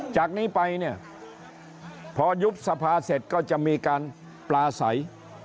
จากนี้ไปเนี่ยพอยุบสภาเสร็จก็จะมีการปลาใส